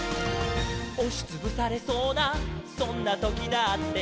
「おしつぶされそうなそんなときだって」